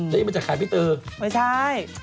นี่มันจะขายพี่ตือไม่ใช่